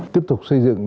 tiếp tục xây dựng